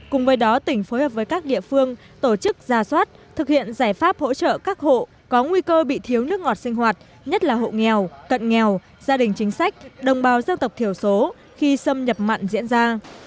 cùng với đó tỉnh phối hợp với các địa phương tổ chức ra soát thực hiện giải pháp hỗ trợ các hộ có nguy cơ bị thiếu nước ngọt sinh hoạt nhất là hộ nghèo cận nghèo gia đình chính sách đồng bào dân tộc thiểu số khi xâm nhập mặn diễn ra